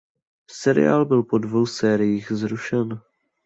Seriál byl po dvou sériích zrušen.